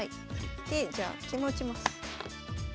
でじゃあ桂馬打ちます。